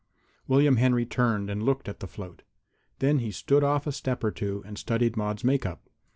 William Henry turned and looked at the float. Then he stood off a step or two and studied Maude's make up.